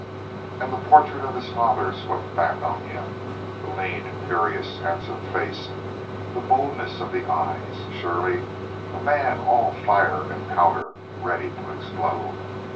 And the portrait of his father swept back on him the lean, imperious, handsome face, the boldness of the eyes. Surely a man all fire and powder, ready to explode.